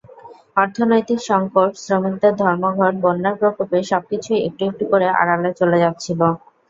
অর্থনৈতিক সংকট, শ্রমিকদের ধর্মঘট, বন্যার প্রকোপ—সবকিছুই একটু একটু করে আড়ালে চলে যাচ্ছিল।